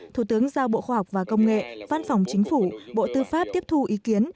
thủ tướng giao bộ khoa học và công nghệ văn phòng chính phủ bộ tư pháp tiếp thu ý kiến